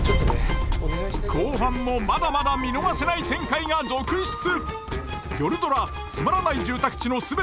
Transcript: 後半もまだまだ見逃せない展開が続出！